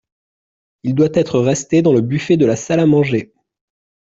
Il doit être resté dans le buffet de la salle à manger.